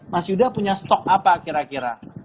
mas yuda punya stok apa kira kira